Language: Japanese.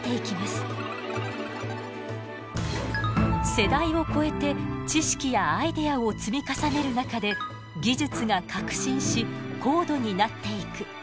世代を超えて知識やアイデアを積み重ねる中で技術が革新し高度になっていく。